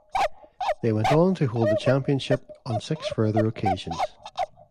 They went on to hold the championship on six further occasions.